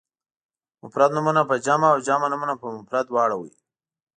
مفرد نومونه په جمع او جمع نومونه په مفرد واړوئ.